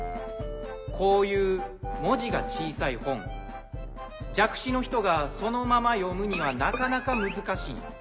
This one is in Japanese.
こういう文字が小さい本弱視の人がそのまま読むにはなかなか難しい。